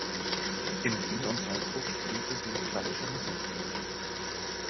In Wien und Salzburg studierte sie Klassische Musik.